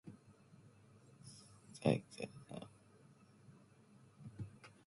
The exact number of victims killed by the Aitarak is unknown.